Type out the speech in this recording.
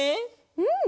うん！